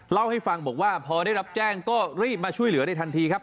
เล่าให้ฟังบอกว่าพอได้รับแจ้งก็รีบมาช่วยเหลือได้ทันทีครับ